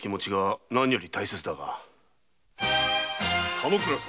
田之倉様